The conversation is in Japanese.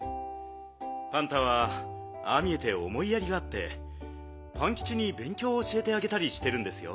パンタはああ見えておもいやりがあってパンキチにべんきょうをおしえてあげたりしてるんですよ。